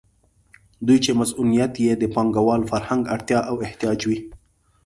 دوی چې مصونیت یې د پانګوال فرهنګ اړتیا او احتیاج وي.